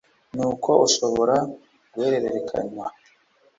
n uko ushobora guhererekanywa